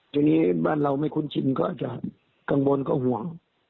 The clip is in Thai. ทีนี้บ้านเราไม่คุ้นชินก็อาจจะกังวลก็ห่วง